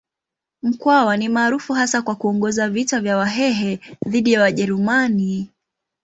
Mkwawa ni maarufu hasa kwa kuongoza vita vya Wahehe dhidi ya Wajerumani.